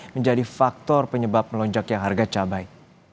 menjadi faktor penyebab melonjak yang harga cabai